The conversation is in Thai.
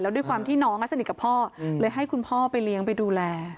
ด้วยความที่น้องสนิทกับพ่อเลยให้คุณพ่อไปเลี้ยงไปดูแล